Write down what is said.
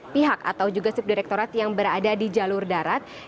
pihak atau juga subdirektorat yang berada di jalur darat